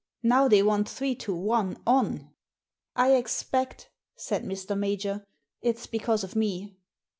Now they want three to one on." " I expect," said Mr. Major, " it's because of me."